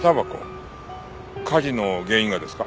火事の原因がですか？